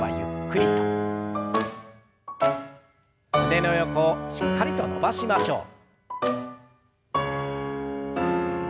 胸の横をしっかりと伸ばしましょう。